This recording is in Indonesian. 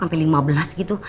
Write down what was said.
sampai lima belas gitu